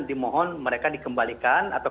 dimohon mereka dikembalikan atau